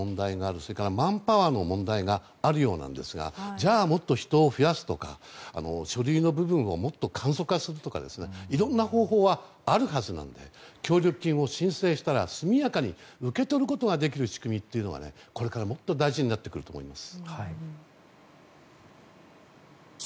それからマンパワーの問題があるようですがじゃあもっと人を増やすとか書類の部分をもっと簡素化するとかいろいろな方法はあるはずなので協力金を申請したら速やかに受け取ることができる仕組みというのがこれからもっと大事になってくると思います。